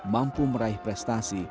mampu meraih prestasi